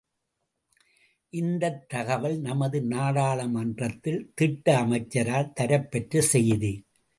இந்தத் தகவல் நமது நாடாளுமன்றத்தில் திட்ட அமைச்சரால் தரப்பெற்ற செய்தி.